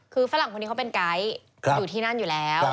คือฝรั่งคนนี้เขาเป็นไกด์อยู่ที่นั่นอยู่แล้ว